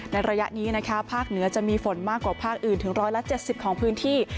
ในระยะนี้นะคะภาคเหนือจะมีฝนมากกว่าภาคอื่นถึงร้อยละเจ็ดสิบของพื้นที่